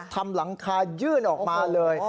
หลังคายื่นออกมาเลย